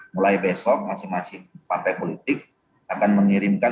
mulai besok masing masing partai politik akan mengirimkan